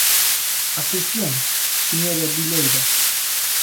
Á cuestión, señora Viloira.